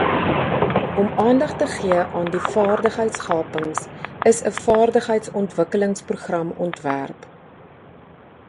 Om aandag te gee aan die vaardigheidsgapings is 'n vaardigheidsontwikkelingsprogram ontwerp.